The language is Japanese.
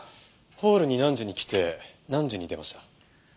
ホールに何時に来て何時に出ました？